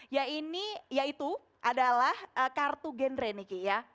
yaitu adalah kartu gendre nih ki ya